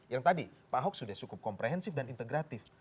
yang tadi pak ahok sudah cukup komprehensif dan integratif